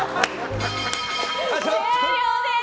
終了です。